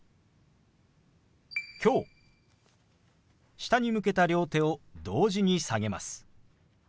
下に向けた両手を同時に下げます。